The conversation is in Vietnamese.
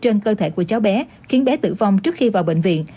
trang đánh đập hành hạ cơ thể của cháu bé khiến bé tử vong trước khi vào bệnh viện